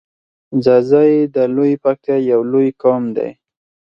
ځاځی د لویی پکتیا یو لوی قوم دی.